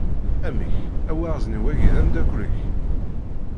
Amek, awaɣzeniw-agi d ameddakel-ik?